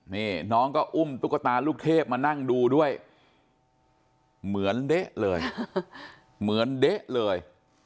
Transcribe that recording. นี่น้องก็อุ้มตุ๊กตาลูกเทพมานั่งดูด้วยเหมือนเด๊ะเลยเหมือนเด๊ะเลย